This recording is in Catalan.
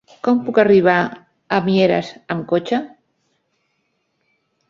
Com puc arribar a Mieres amb cotxe?